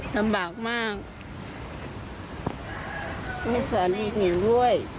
ลำบากมากไม่สามารถอีกเหนียงด้วย